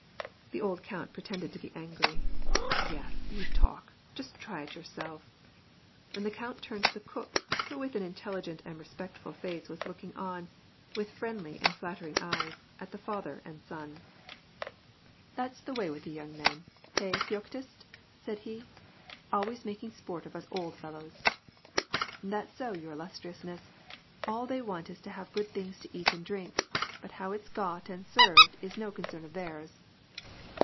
The old count pretended to be angry ;" Yes, you talk, just •ry it yourself !" J And the count turned to the cook, who with an intelligent fnd respectful face was looking on, with friendly and flatter 'Hg eyes, at the father and son. * Any estate in the saburbs of Moscow. f Bratets m6\. 12 War and pmace. "That's the way with the young men, hey, Feoktist ?*^ sai he. " Always maJdng sport of us old fellows !"" That's so, your illustriousness, all they want is to hav good things to eat and drink, but how it's got and served i no concern of theii s."